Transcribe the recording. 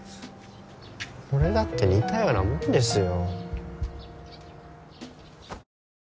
俺だって似たようなもんですよ。